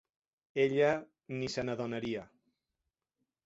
Ella ni se n'adonaria.